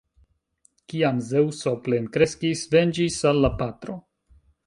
Kiam Zeŭso plenkreskis, venĝis al la patro.